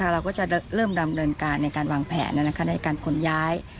เราก็จะเริ่มดำเนินการในการวางแผนในการขนย้าย